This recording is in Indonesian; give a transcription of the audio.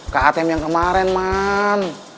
ke atm yang kemarin man